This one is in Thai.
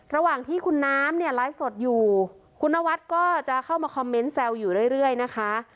ระหว่างที่คุณน้ำเนี่ยไลฟ์สดอยู่คุณนวัดก็จะเข้ามาคอมเมนต์แซวอยู่เรื่อยนะคะ